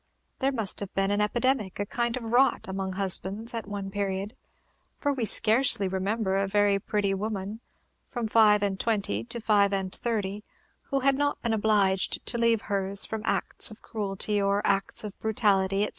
There must have been an epidemic, a kind of rot, among husbands at one period; for we scarcely remember a very pretty woman, from five and twenty to five and thirty, who had not been obliged to leave hers from acts of cruelty or acts of brutality, etc.